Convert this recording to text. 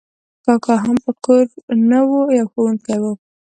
کاکا هم په کور نه و، یو ښوونکی و.